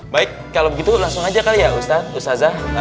baik kalau begitu langsung aja kali ya ustadzah